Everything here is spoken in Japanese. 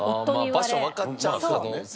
場所わかっちゃう可能性。